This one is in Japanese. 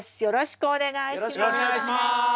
よろしくお願いします。